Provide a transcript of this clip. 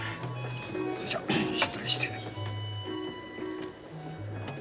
それじゃ失礼して。